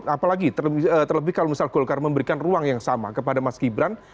apalagi kalau misal golkar memberikan ruang yang sama kepada mas gibran